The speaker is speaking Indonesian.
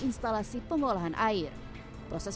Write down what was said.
instalasi pengolahan air proses